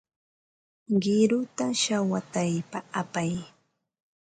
Qiruta shawataypa apay.